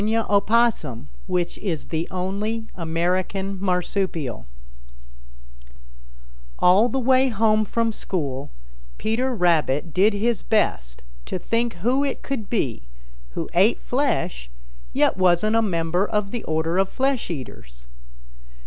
CHAPTER XXXIV Unc' Billy and Old Mrs. Possum All the way home from school Peter Rabbit did his best to think who it could be who ate flesh, yet wasn't a member of the order of flesh eaters.